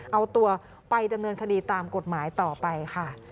เอาตัวไปดำเนินคดีตามกฎหมายต่อไปค่ะ